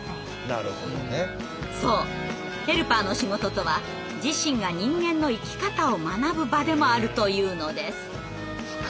そうヘルパーの仕事とは自身が人間の生き方を学ぶ場でもあるというのです。